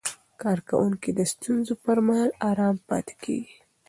کارکوونکي د ستونزو پر مهال آرام پاتې کېږي.